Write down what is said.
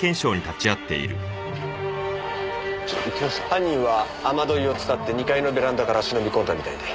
犯人は雨樋をつたって２階のベランダから忍び込んだみたいで。